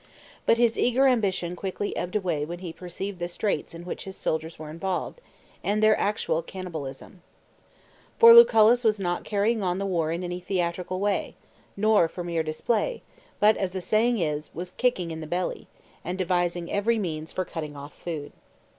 But his eager ambition quickly ebbed away when he perceived the straits in which his soldiers were involved, and their actual canni balism. . For Lucullus was not carrying on the war in any theatrical way, nor for mere display, but, as the saying is, was "kicking in the belly," and de vising every means for cutting off food.